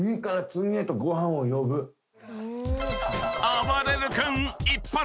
［あばれる君］